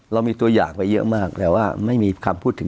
เรามีตัวอย่างไปเยอะมากแต่ว่าไม่มีคำพูดถึง